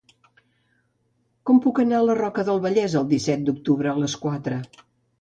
Com puc anar a la Roca del Vallès el disset d'octubre a les quatre?